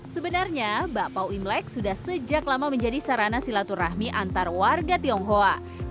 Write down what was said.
sebenarnya bakpao imlek sudah sejak lama menjadi sarana silaturahmi antar warga tionghoa